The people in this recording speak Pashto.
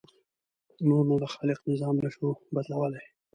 نور نو د خالق نظام نه شو بدلولی.